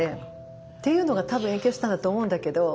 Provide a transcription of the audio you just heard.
っていうのが多分影響したんだと思うんだけど。